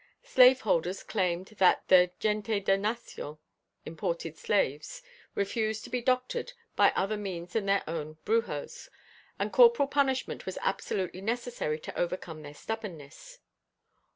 Slave holders claimed that "the gente de nación (imported slaves) refused to be doctored by other means than their own brujos and corporal punishment was absolutely necessary to overcome their stubbornness".